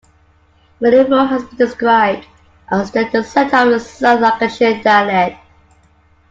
Milnrow has been described as "the centre of the south Lancashire dialect".